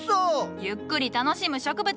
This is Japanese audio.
ゆっくり楽しむ植物なんじゃ。